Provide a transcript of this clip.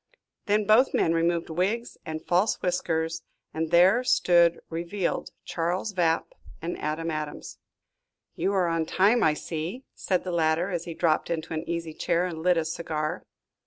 Then both men removed wigs and false whiskers, and there stood revealed Charles Vapp and Adam Adams. "You are on time, I see," said the latter, as he dropped into an easy chair and lit a cigar.